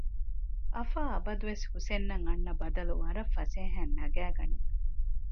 އަފާ އަބަދުވެސް ހުސެންއަށް އަންނަ ބަދަލު ވަރަށް ފަސޭހައިން ނަގައިގަނެ